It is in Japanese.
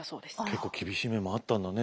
結構厳しい面もあったんだね